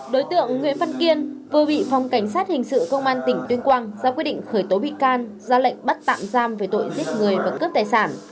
đối tượng nguyễn văn kiên vừa bị phòng cảnh sát hình sự công an tỉnh tuyên quang ra quyết định khởi tố bị can ra lệnh bắt tạm giam về tội giết người và cướp tài sản